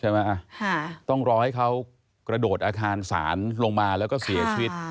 ต้องรอให้เขากระโดดอาคารศาลลงมาแล้วก็เสียชีวิต